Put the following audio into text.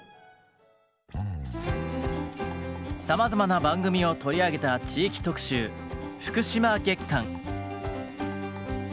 さまざまな番組を取り上げた地域特集福島月間。